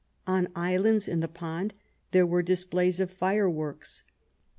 On islands in the pond there were displays of fireworks.